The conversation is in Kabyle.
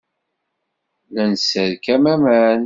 La d-nesserkam aman.